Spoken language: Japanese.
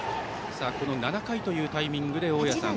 ７回というタイミングで大矢さん